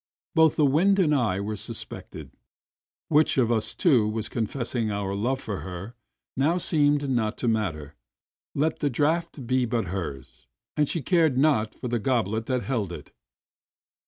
Both the wind and I were suspected; which of us two was confessing our love for her now seemed not to matter; let the draught but be hers, and she cared not for the goblet that held it